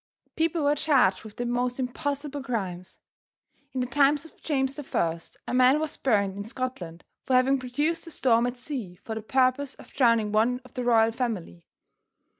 People were charged with the most impossible crimes. In the time of James the First, a man was burned in Scotland for having produced a storm at sea for the purpose of drowning one of the royal family.